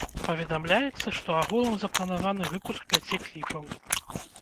Паведамляецца, што агулам запланаваны выпуск пяці кліпаў.